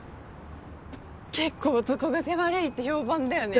結構男癖悪いって評判だよね。